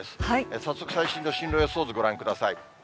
早速、最新の進路予想図ご覧ください。